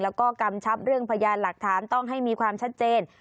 แล้วก็กำชับเรื่องพยานหลักฐานต้องให้มีความชัดเจน